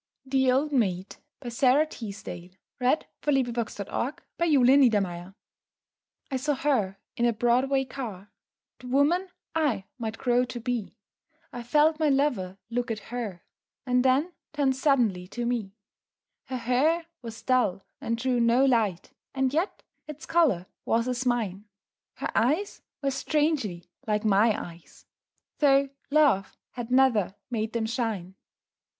f with the curtains down. Smart Set William Huntington Wright The Old Maid I saw her in a Broadway car, The woman I might grow to be; I felt my lover look at her And then turn suddenly to me. Her hair was dull and drew no light, And yet its color was as mine; Her eyes were strangely like my eyes, Tho' love had never made them shine.